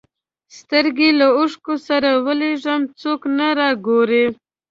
سترګي له اوښکو سره ولېږم څوک نه را ګوري